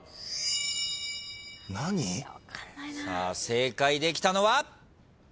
正解できたのは？